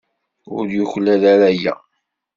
Ur yuklal ara aya.